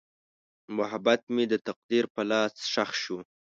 محبت مې د تقدیر په لاس ښخ شو.